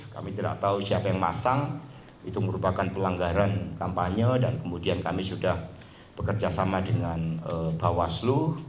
kami tidak tahu siapa yang masang itu merupakan pelanggaran kampanye dan kemudian kami sudah bekerja sama dengan bawaslu